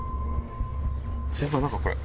先輩何かこれ。